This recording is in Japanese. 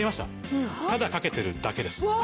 ただかけてるだけです。